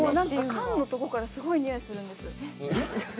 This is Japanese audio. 缶のとこからすごい匂いするんです。